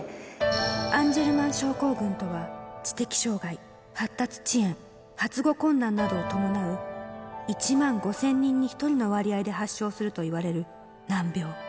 アンジェルマン症候群とは、知的障がい、発達遅延、発語困難などを伴う、１万５０００人に１人の割合で発症するといわれる難病。